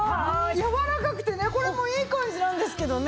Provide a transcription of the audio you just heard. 柔らかくてねこれもいい感じなんですけどね。